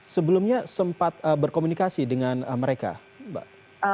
sebelumnya sempat berkomunikasi dengan mereka mbak